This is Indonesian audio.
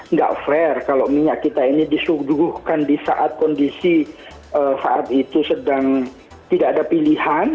nggak fair kalau minyak kita ini disuguhkan di saat kondisi saat itu sedang tidak ada pilihan